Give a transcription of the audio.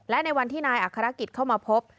และในวันที่นายอัครกิจเข้ามาพบ